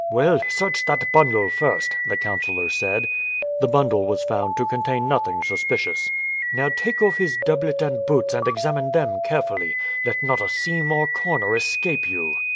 "Well, search that bundle first," the councillor said. The bundle was found to contain nothing suspicious. "Now, take off his doublet and boots and examine them carefully. Let not a seam or corner escape you."